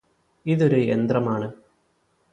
ഇതൊരു യന്ത്രമാണ്